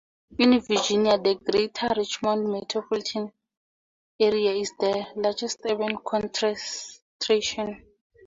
In Virginia, the Greater Richmond metropolitan area is the largest urban concentration.